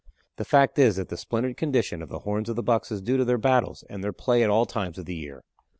The fact is that the splintered condition of the horns of the bucks is due to their battles and their play at all times of the year.